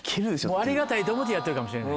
ありがたいと思ってやってるかもしれない。